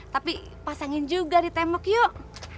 tapi pasangin juga di tembok yuk